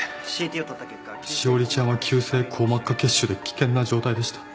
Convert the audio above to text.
詩織ちゃんは急性硬膜下血腫で危険な状態でした。